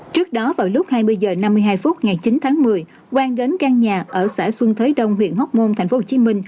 trước đó vào lúc hai mươi h năm mươi hai phút ngày chín tháng một mươi quang đến căn nhà ở xã xuân thới đông huyện hóc môn tp hcm